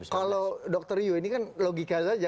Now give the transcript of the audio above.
kalau dokter yu ini kan logikanya aja